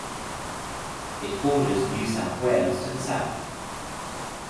It borders New South Wales to the south.